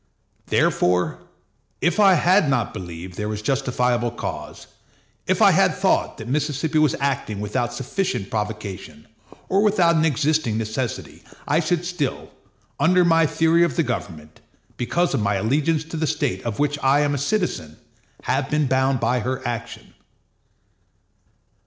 Therefore, if I had not believed there was justifiable cause; if I had thought that Mississippi was acting without sufficient provocation, or without an existing necessity, I should still, under my theory of the government, because of my allegiance to the State of which I am a citizen, have been bound by her action.